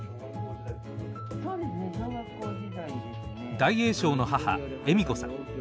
大栄翔の母恵美子さん。